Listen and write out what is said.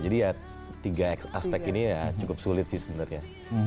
jadi ya tiga aspek ini ya cukup sulit sih sebenarnya